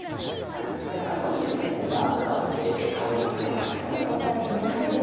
最後にごま油を入れて香りをつけます。